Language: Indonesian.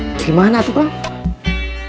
bagaimana atu pak